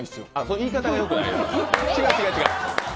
言い方がよくないですよ。